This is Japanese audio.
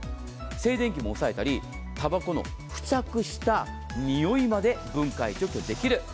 静電気も抑えたりタバコの付着した臭いまで分解・除去できる。